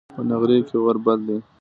په نغري کې اور بل دی